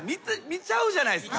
見ちゃうじゃないっすか。